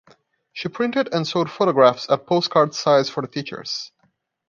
She printed and sold photographs at postcard size for the teachers.